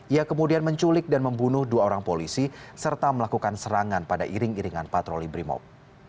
ia kemudian menculik dan membunuh dua orang polisi serta melakukan serangan pada iring iringan patroli brimob